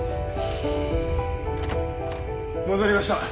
戻りました。